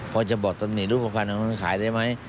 พอจะบอกตรงนี้รูปภัณฑ์ของคนขายได้ไหม